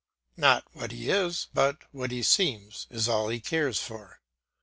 Not what he is, but what he seems, is all he cares for.